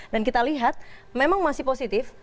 dan kita lihat memang masih positif